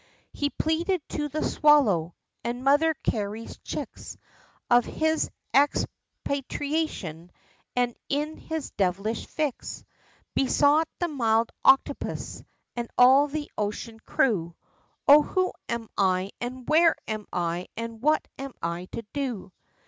He pleaded to the swallow, and Mother Cary's chicks, Of his expatriation, and in his devilish fix, Besought the mild octopus, and all the ocean crew, "O who am I? and where am I? and what am I to do?"